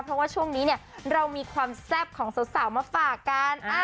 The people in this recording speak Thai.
เพราะว่าช่วงนี้เนี่ยเรามีความแซ่บของสาวมาฝากกัน